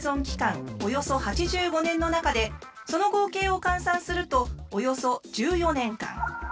およそ８５年の中でその合計を換算するとおよそ１４年間。